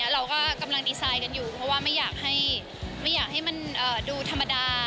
เราก็กำลังดีไซน์กันอยู่เพราะว่าไม่อยากให้มันดูธรรมดา